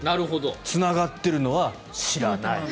つながってるのは知らない。